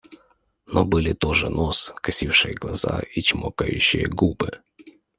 Но были тоже нос, косившие глаза и чмокающие губы.